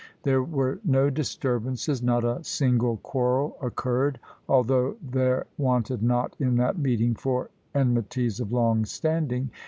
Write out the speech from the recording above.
There were no disturbances, not a single quarrel occurred, although there wanted not in that meeting for enmities of long standing.